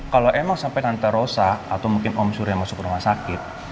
kalo emang sampe nanti rosa atau mungkin om surya masuk rumah sakit